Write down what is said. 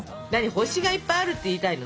星がいっぱいあるって言いたいの？